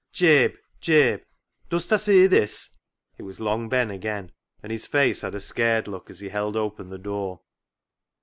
" Jabe ! Jabe ! does ta see this ?" It was Long Ben again, and his face had a scared look as he held open the door.